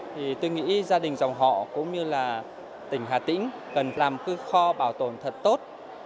thì tôi nghĩ gia đình dòng họ cũng như là tỉnh hà tĩnh cần làm cái kho bảo tồn thật tốt